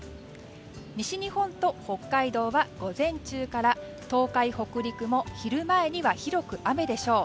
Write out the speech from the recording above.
西日本と北海道は午前中から東海・北陸も昼前には広く雨でしょう。